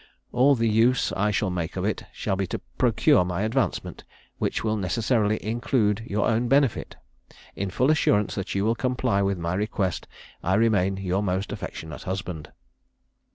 All the use I shall make of it shall be to procure my advancement, which will necessarily include your own benefit. In full assurance that you will comply with my request, I remain your most affectionate husband."